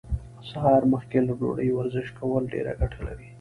سهار مخکې له ډوډۍ ورزش کول ډيره ګټه لري.